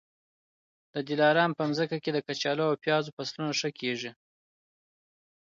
د دلارام په مځکي کي د کچالو او پیازو فصلونه ښه کېږي.